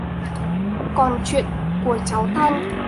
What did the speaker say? Còn chuyện của cháu thanh